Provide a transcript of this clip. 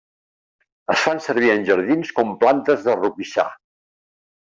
Es fan servir en jardins com plantes de roquissar.